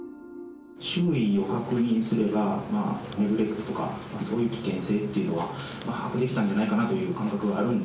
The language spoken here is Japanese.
周囲を確認すれば、ネグレクトとか、そういう危険性っていうのは把握できたんじゃないかなという感覚